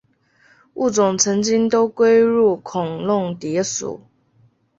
物种曾经都归入孔弄蝶属。